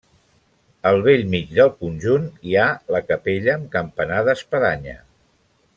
Al bell mig del conjunt hi ha la capella amb campanar d'espadanya.